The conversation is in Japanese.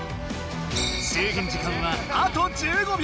制限時間はあと１５秒。